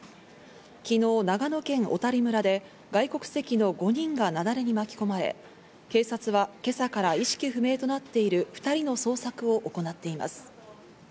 昨日、長野県小谷村で外国籍の５人が雪崩に巻き込まれ、警察は今朝から意識不明となっている２人の捜索を行っています。